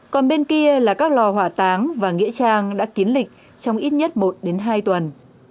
còn bên kia là các lò hỏa táng và nghĩa trang đã kín lịch trong ít nhất một đến hai tuần